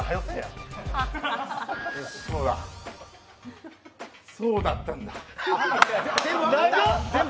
そうだそうだったんだ！